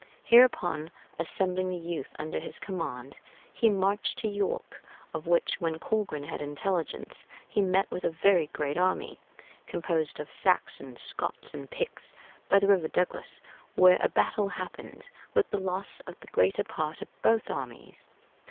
Hereupon assembling the youth under his command, he marched to York, of which, when Colgrin had intelligence, he met with a very great army, composed of Saxons, Scots, and Picts, by the river Duglas, where a battle happened, with the loss of the greater part of both armies.